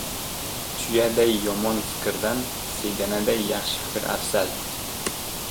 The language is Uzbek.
• Tuyaday yomon fikrdan sedanaday yaxshi fikr afzal.